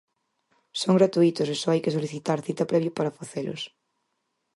Son gratuítos e só hai que solicitar cita previa para facelos.